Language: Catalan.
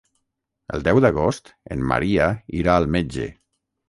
El deu d'agost en Maria irà al metge.